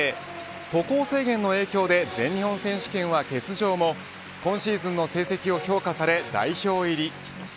渡航制限の影響で全日本選手権は欠場も今シーズンの成績を評価され代表入り。